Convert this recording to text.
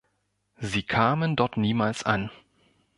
Sie kamen dort niemals an.